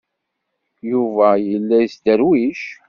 Yuba yella yesderwic.